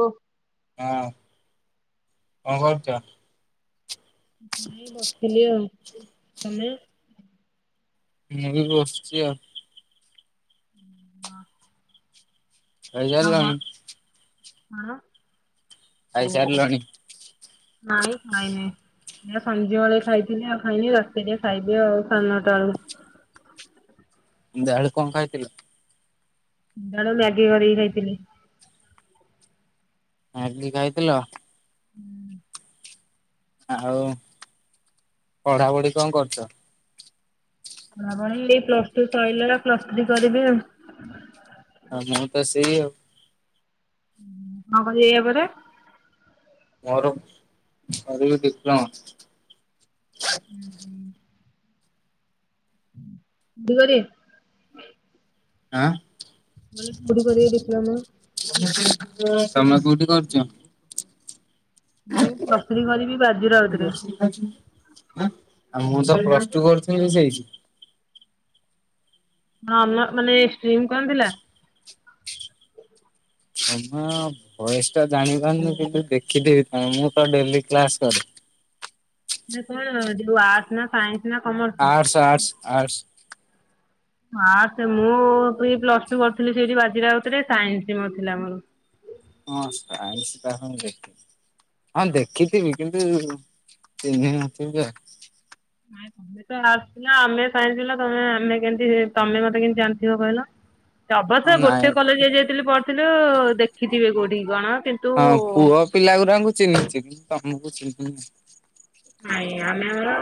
ଓଃ। ହଁ। କଣ କରୁଚ? ଇଏ ବସିଥିଲି ଆଉ ତମେ? ମୁଁ ବି ବସିଛି ଆଉ। ହ। ଖାଇସାରିଲଣି? ଆଁ? ଖାଇସାରିଲଣି? ନାଇଁ ଖାଇନି। ଯା ସଞ୍ଜ ବେଳେ ଖାଇଥିଲି ଆଉ ଖାଇନି ରାତିରେ ଖାଇବି ଆଉ। ସାଢେନଟା ବେଳୁକୁ। ସନ୍ଧ୍ୟା ବେଳେ କଣ ଖାଇଥିଲେ? ସନ୍ଧ୍ୟାବେଳେ ମ୍ୟାଗି କରିକି ଖାଇଥିଲି। ମ୍ୟାଗି ଖାଇଥିଲ? ହୁଁ। ଆଉ ପଢାପଢି କଣ କରୁଚ? ପଢ଼ାପଢ଼ି ପ୍ଲସ ଟୁ ସରିଲା ପ୍ଲସ ଥ୍ରୀ ଆଉ ମୁଁ ତ ସେଇ ଆଉ କଣ କରିବେ ଆପରେ? ମର ମର ଏବେ ଡିପ୍ଲୋମା। ବରେ? ଆଁ? ମାନ କଉଠେ କରିବେ ଡିପ୍ଲୋମା? ତମେ କୋଉଠି କରୁଚ? [unintelligible] ତ ମୁଁ ପ୍ଲସ ଥ୍ରୀ କରିବି ବାଜିରାଉତରେ। ପ୍ଲସ ଟୁ କରୁଥିଲି ସେଇଠି? ହଁ ମ ମାନେ କଣ ଷ୍ଟ୍ରିମ୍ କଣ ଥିଲା? ହ ବୟସ ଟା ଜାଣି ପାରୁନି କିନ୍ତୁ ଦେଖିଦେବି। କ ମୁଁ ତ ଡେଲି କ୍ଲାସ କରେ। କଣ ଯଉ ଆର୍ଟସ ନା science? Arts arts arts. Arts ମୁଁ ପ୍ଲସ ଟୁ କରିଥିଲି ସେଇଠି ବାଜିରାଉତରେ ସାଇନ୍ସ ମର ଥିଲା ମର। ହଁ ସାଇନ୍ସ ତାହାଲେ। ହଁ ଦେଖିଥିବି କିନ୍ତୁ ଚିହ୍ନି ନଥିବି ଆଉ। ତମେ ତ ଆର୍ଟସ ପିଲା ଆମେ ସାଇନ୍ସପିଲା ତମେ ଆମେ କେମିତି ତମେ ମତେ କେମତି ଜାଣିଥିବ କହିଲ। ହଁ ଅବଶ୍ୟ ଗୋଟେ ନାଇଁ କଲେଜ ଯାଇଥିଲୁ ପଢଥିଲୁ ଦେଖିଥିବେ କୋଉଠିକି କଣ। କିନ୍ତୁ ହଁ ପୁଅ ପିଲା ଗୁଡ଼ାଙ୍କୁ ଚିହ୍ନିଚି, ତମକୁ ଚିହ୍ନନି। ହ ଆମେ ଆମର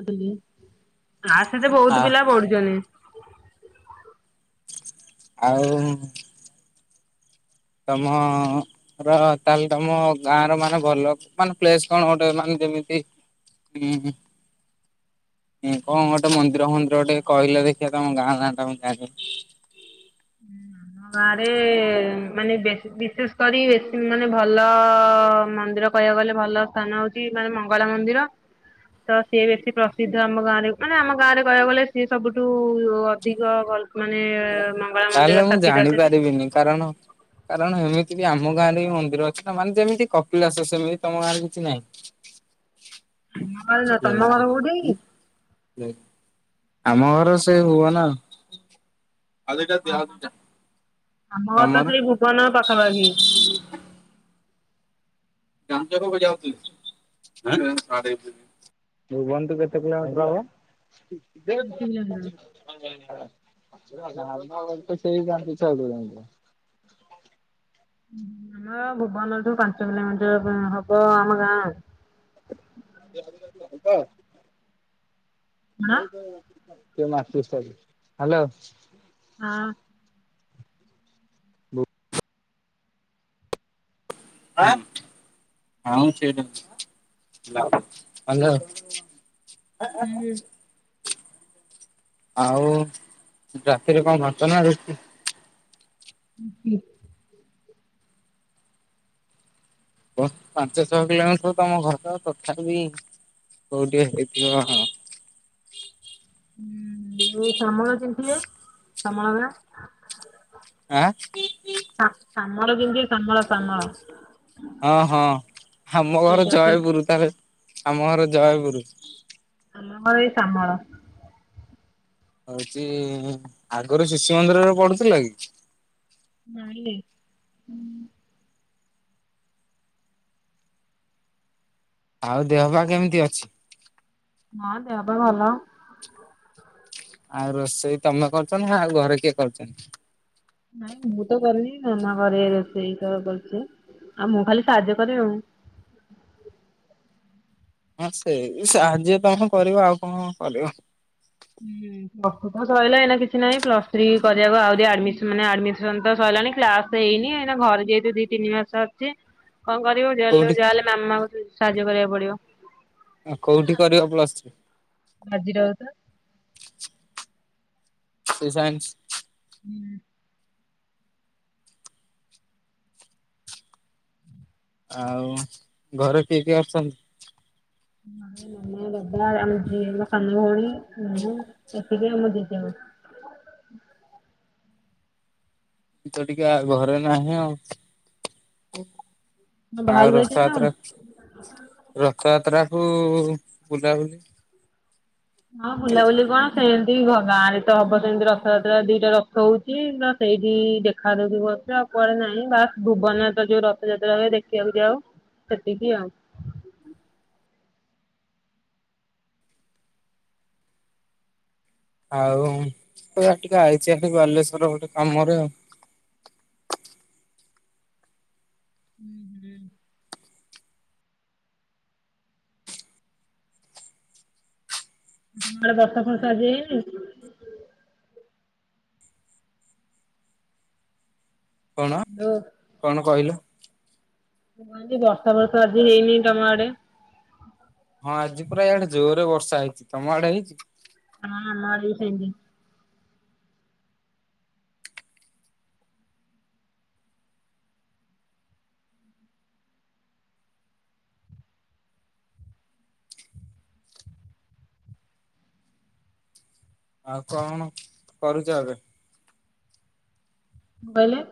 ଆର୍ଟ୍ସ ରେ ତ ବହୁତ ପିଲା ପଢୁଛନ୍ତି। ଆଉ? ତମ ର ତାହେଲେ ତମ ଗାଁ ର ମାନେ ଭଲ ମାନେ ପ୍ଲେସ କଣ ଗୋଟେ ମାନେ ଯେମିତି ହୁଁ କଣ ଗୋଟେ ମନ୍ଦିର ଫନ୍ଦିର ଟିକେ କହିଲେ ଦେଖିବା ତମ ଗାଁ ନା ଟା ମୁ ଜାଣି ଆମ ଗାଁରେ ମାନେ ବେଶୀ ବିଶେଷ କରି ବେଶୀ ମାନେ ଭଲ ମନ୍ଦିର କହିବାକୁ ଗଲେ ଭଲ ସ୍ଥାନ ହଉଚି ମାନେ ମଙ୍ଗଳା ମନ୍ଦିର। ତ ସିଏ ବେଶୀ ପ୍ରସିଦ୍ଧ ଆମ ଗାଁରେ ମାନେ ଆମ ଗାଁରେ କହିବାକୁ ଗଲେ ସିଏ ସବୁଠୁ ଅଧିକ ଭଲ ମାନେ ମଙ୍ଗଳା ମନ୍ଦିର ତାହେଲେ ମୁଁ ସ୍ଥାପିତ ଜାଣି ଅଛନ୍ତି ପାରିବିନି କାରଣ କାରଣ ସେମିତି ବି ଆମ ଗାଁ ରେ ବି ମନ୍ଦିର ଅଛି ନା ମାନେ ଯେମିତି କପିଳାସ ସେମିତି ତମ ଗାଁରେ କିଛି ନାହିଁ। ଆମ ଗାଁ ରେ ନା ତମ ଗାଁ ରେ କଉ ଜାଗା କି? ଆମ ଘର ସେ ହୁଅ ନା। ଆଉ ଦି ଟା ଦିଅ, ଆଉ ଦି ଟା। ଆମ ଘର ତ ସେଇ ଭୁବନ ପାଖାପାଖି। ଜାମଚକକୁ ଯାଉଥିଲି। ନିର୍ ବନ୍ତୁ ରୁ କେତ କିଲୋମିଟର ହବ? ପାଞ୍ଚ କିଲୋମିଟର। [unintelligible] ତ ସେଇ ପାଞ୍ଚ ଛ କିଲୋମିଟର। ଆମର ଭୁବନଳଠୁ ପାଞ୍ଚ କିଲୋମିଟର ହବ ଆମ ଗାଁ ଆଉ। [unintelligible] କଣ? [unintelligible] ହ୍ୟାଲୋ ହଁ ଆଁ? ହଁ ସେଠି ହାଲୋ। [unintelligible] ଆଉ ରାତିରେ କଣ ଭାତ ନା ରୁଟି? ହୁଁ। ବହୁତ ପାଞ୍ଚ ଛଅ କିଲୋମିଟର ତମ ଘର ତଥାପି କୋଉଠି ହେଇଥିବ ଆଉ। [inaudible] ଆଉ ଶ୍ୟାମଳ ଜାଣିଥିବେ ଶ୍ୟାମଳ ଗାଁ। ଆଁ? ସାମଳ [unintelligible] ଶାମଳ ଶାମଳ। ହଁ ହଁ ଆମ ଘର ସେଇଟା ସେ ଜୟପୁର, ତାରେ ଆମ ଘର ଜୟପୁର। ଆମ ଘର ଏଇ ଶାମଳ। ହଉଛି ଆଗରୁ ଶିଶୁ ମନ୍ଦିରରେ ପଢ଼ୁଥିଲ କି? ନାଇଁ ନାଇଁ ଆଉ ଦେହ ପା କେମିତି ଅଛି? ହଁ ଦେହ ପା ଭଲ। ଆଉ ରୋଷେଇ ତମେ କରୁଚ ନା ଆଉ ଘରେ କିଏ କରୁଛନ୍ତି? ନାଇଁ ମୁଁ ତ କରିନି ମାମା ଘରେ ରୋଷେଇ ହେକା କରୁଚି। ଆଉ ମୁଁ ଖାଲି ସାହାଯ୍ୟ କରେ ଆଉ। ହଁ ସେଇ ସାହାଯ୍ୟ ତମେ କରିବ ଆଉ କଣ କରିବ। ହୁଁ ପ୍ଲସ ଟୁ ତ ସଇଲା ଏଇନା କିଛି ନାଇଁ, ପ୍ଲସ ଥ୍ରୀ କରିବାକୁ ଆହୁରି ଆଡମିଶନ୍ ମାନେ ଆଡମିସନ୍ ତ ସରି ଗଲାଣି, କ୍ଲାସ ତ ହେଇନି ଏଇନା ଘରେ ଯେହେତୁ ଦୁଇ ତିନି ମାସ ଅଛି କଣ କରିବୁ କୋଉଠି ଯାହାହେଲେ ଯାହାହେଲେ ମାମାକୁ ସାହାଯ୍ୟ କରିବାକୁ ପଡିବ। ଆଉ କୋଉଠି କରିବ ପ୍ଲସ ଥ୍ରୀ? ବାଜିରାଉତ। ସେଇ ସାଇନ୍ସ? ଆଉ ଘରେ କିଏ କିଏ ଅଛନ୍ତି? ଆମେ ନନା, ବାପା ଆମେ ଦି ମୋ ସାନ ଭଉଣୀ ମୁଁ ଏତିକି ଆଉ ମୋ ଜେ ଜେ ଆଉ। ତ ଟିକେ ଆଉ ଘରେ ନାହିଁ ଆଉ। ତମେ ଆଉ ବାହାରକୁ ଯାଇଛନ୍ତି ନା କଣ? ରଥଯାତ୍ରାକୁ ରଥଯାତ୍ରା ହୁଁ ବୁଲାବୁଲି ହଁ ବୁଲାବୁଲି କଣ ସେ ଏମତି ବି ଭ ଗାଁ ରେ ତ ହବ ସେମତି ରଥଯାତ୍ରା ଦିଟା ରଥ ହଉଛି ତ ସେଇଠି ଦେଖା ଦଉଛି [unintelligible] ଆଉ କୁଆଡେ ନାଇଁ ନାଇଁ ବାସ୍ ଭୁବନରେ ତ ଯୋଉ ରଥଯାତ୍ରା ହୁଏ, ଦେଖିବାକୁ ଯାଉ ସେତିକି ଆଉ। ହୁଁ ଆଉ ଏଇଆଡ଼େ ଟିକେ ଆଇଛି ଆଡକୁ ବାଲେଶ୍ଵର ଗୋଟେ କାମରେ ଆଉ। ହୁଁ। ତମ ଆଡେ ବର୍ଷା ଫର୍ଷା ଆଜି ହେଇନି? କଣ ହ୍ୟାଲୋ କଣ କହିଲୁ? ମୁଁ କହିଲି ବର୍ଷା ଫର୍ଷା ଆଜି ହେଇନି ତମ ଆଡେ? ହଁ ଆଜି ପୁରା ଇଆଡେ ଜୋରରେ ବର୍ଷା ହେଇଛି। ତମ ଆଡେ ହେଇଛି? ହଁ ଆମ ଆଡ଼େ ବି ସେମତି। ଆଉ କଣ କରୁଚ ଏବେ? କହିଲେ?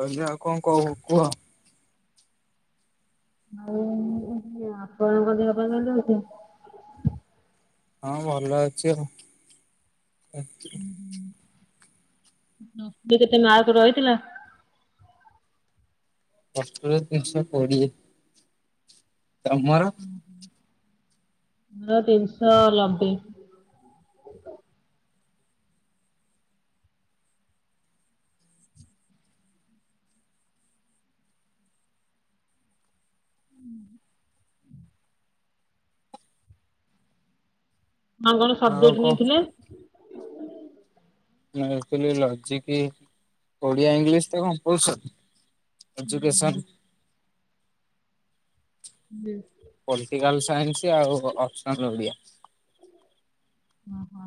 ମୁଁ କହିଲି ଆଉ କଣ କ କୁହ? ମୁଁ ଆପଣଙ୍କ ଦେହ ପା ଭଲ ଅଛି? ହଁ ଭଲ ଅଛି ଆଉ। [unintelligible] କେତେ ମାର୍କ ରହିଥିଲା? ଅଠର ତିନିଶହ କୋଡିଏ। ତମର? ହୁଁ ହୁଁ। ମୋର ତିନିଶହ ଲବେ। ଆଉ କଣ ସବଜେକ୍ଟ ନେଇଥିଲେ। ମୁଥିଲି ଲଜିକ ଓଡିଆ ଇଂଲିଶ ତ କମ୍ପଲସରି। ଏଜୁକେସନ। ପଲିଟିକାଲ ସାଇନ୍ସ ଆଉ ଅପସନ ଓଡ଼ିଆ। ଓ ହୋ।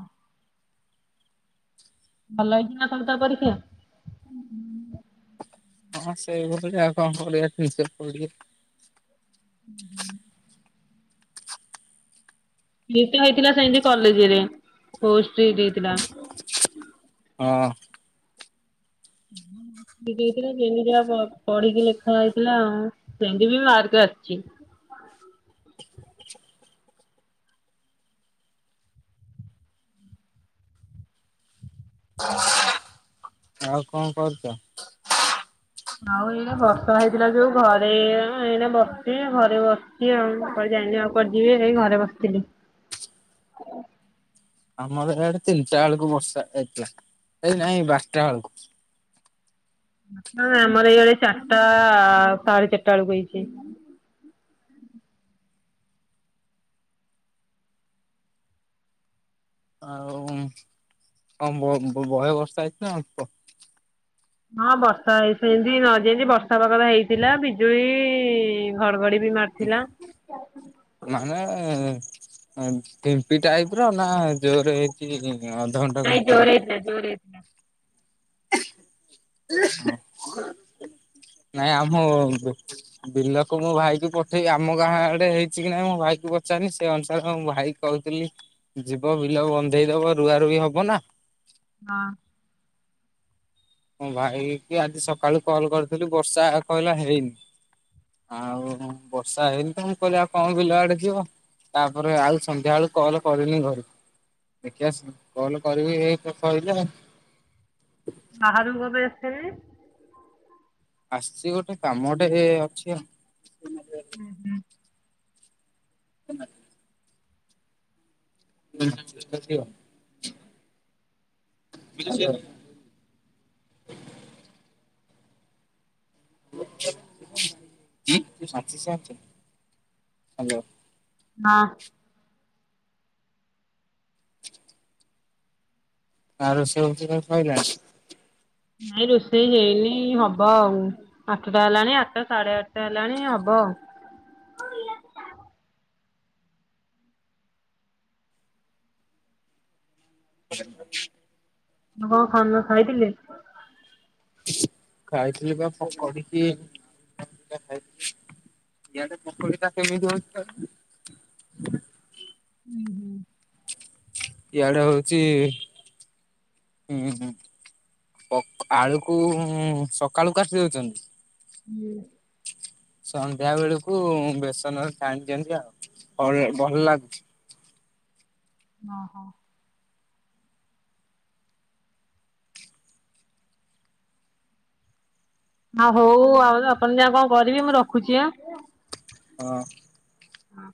ଭଲ ହେଇଛି ନା ତମେ ତା ପରୀକ୍ଷା? ହଁ ସେଇଭଳି ଆଉ କଣ ନିଜେ ପଡ଼ି। ହୁଁ ହ। ହେଇଥିଲା ହୋଇଥିଲା ସେମିତି କଲେଜରେ ପୋଓଷ୍ଟ ହେଇଯାଇଥିଲା। ହଁ। ଦେଇଥିଲା ଯେମତି ଯ ପଢିକି ଲେଖା ହେଇଥିଲା ଆଉ ସେମିତି ବି ମାର୍କରେ ଆସିଛି। ହ। ଆଉ କଣ କରୁଛ। ଆଉ ଏଇ ବର୍ଷା ହେଇଥିଲା ଯୋଉ ଘରେ ଏଇ ବସି ଘରେ ବସି ଆଉ। ସେମିତି ଆଉ କୁଆଡେ ଯିବି ଏ ଘରେ ବସିଥିଲି। ଆମର ଏଇଡ ତିନିଟାକୁ ବର୍ଷା ହେଥିଲା ଏଇ ନାଇଁ ବାରଟା ଆଳକୁ। ଆମର ଏଇଆ ଚାରିଟା ସାଢେ ଚାରିଟା ବେଳକୁ ହେଇଛି। ଆଉ କ ବହେ ବର୍ଷା ହେଇଛି ନା ଅଳ୍ପ? ହଁ ବର୍ଷା ହେଇ ସେମତି ନ ଯେମତି ବର୍ଷା ହେବାକଥା ହେଇଥିଲା ବିଜୁଳି ଘଡଘଡି ମାରିଥିଲା। ହିଁ ଟିପି ଟାଇପିର ନା ଜୋରେ ହେଇଛି? ହଁ ଅଧ ଘଣ୍ଟେ ନାଇଁ ଘଣ୍ଟେ ଖ ଜୋରେ ହେଇଥିଲା ଜୋରେ ହେଇଥିଲା ନାଇଁ ଆମ ବିଲକୁ ମୁଁ ଭାଇ କ ପଠେଇବି ଆମ ଗାଁ ଆଡେ ହେଇଛି କି ନାଇଁ ମୋ ଭାଇ କ ପଚାରି ସେ ଅନୁସାରେ ମୁଁ ଭାଇ କହୁଥିଲି ଯିବ ବିଲ ବନ୍ଧେଇ ଦବ ରୁଆ ରୁଇ ହବ ନା? ହଁ। ମୁଁ ଭାଇ କି ଆଜି ସକାଳୁ କଲ କରିଥିଲୁ ବର୍ଷା କହିଲା ହେଇନି। ଆଉ ବର୍ଷା ହେଇନି ତ ମୁ କହିଲ ଆଉ କଣ କିଲ ଆଡେ ଯିବ। ତାପରେ ଆଉ ସନ୍ଧ୍ୟା ବେଳୁ କଲ କରିନି ଘରୁକୁ। ଦେଖି ଆସନୁ କଲ କରିବି ଏଇ ତ ସଇଲା। ବାହାରୁୁ କବେ ଆସିଶାଇଲନି ଆସଚି ଗୋଟେ କାମ ଟେ ହେ ଅଛି ଆଉ। ହୁଁ ହୁଁ। [unintelligible] [unintelligible] [unintelligible] [inaudible] ହାଲୋ। ହଁ। ଆର ସେ ହଉଚି କା କହିଲା ନାଇଁ ରୋଷେଇ ହେଇନି ହବ ଆଉ ଆଠଟା ହେଲାଣି ଆଠଟା ସାଢେ ଆଠଟା ହେଲାଣି ହବ ଆଉ। [unintelligible] ନବ ଖନ ଖାଇଥିଲେ? ଖାଇଥିଲି ପା ଫଣ କରିକି [inaudible] କିଆତେ [unintelligible] ଉଁ ହୁଁ। ଇଆଡା ହଉଚି ହୁଁ ହୁଁ। ଅ ଆଳୁକୁ ସକାଳୁ କାଟିି ଦଉଚନ୍ତି। ସନ୍ଧ୍ୟା ବେଳକୁ ବେସନରେ ଛାଣିଛନ୍ତି ଆଉ ଅ ଭଲ ଲାଗୁଚି। ହ ଓ ହୋ। ଆ ହଉ ଆଉ ଆପଣ ଯା କଣ କରିବି ମୁଁ ରଖୁଚି ଆ। ହଁ। ହଁ।